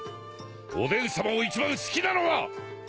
おでんさまを一番好きなのは